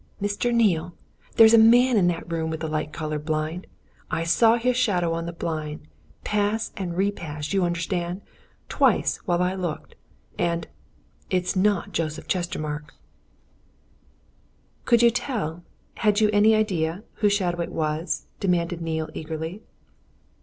Mr. Neale! there's a man in that room with the light coloured blind I saw his shadow on the blind, pass and repass, you understand, twice, while I looked. And it's not Joseph Chestermarke!" "Could you tell? had you any idea? whose shadow it was?" demanded Neale eagerly.